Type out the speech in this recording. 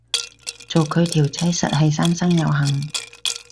做佢條仔實係三生有幸